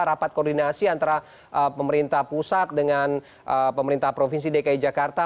rapat koordinasi antara pemerintah pusat dengan pemerintah provinsi dki jakarta